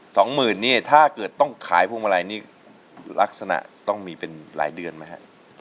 ๒๐๐๐๐บาทนี่ถ้าเกิดต้องขายพวกอะไรนี่ลักษณะต้องมีเป็นหลายเดือนไหมฮะ